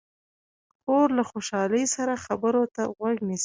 خور له خوشحالۍ سره خبرو ته غوږ نیسي.